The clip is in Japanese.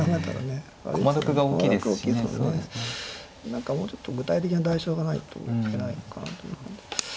何かもうちょっと具体的な代償がないと打てないのかなという感じ。